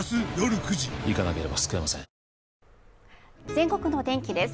全国のお天気です。